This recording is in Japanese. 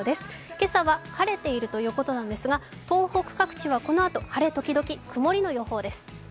今朝は晴れているということなんですが東北各地はこのあと晴れ時々曇りの予報です。